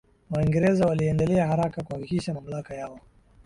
Waingereza waliendelea haraka kuhakikisha mamlaka yao